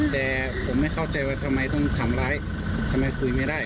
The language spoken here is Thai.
แต่ผมไม่เข้าใจว่าทำไมต้องทำร้ายทำไมคุยไม่ได้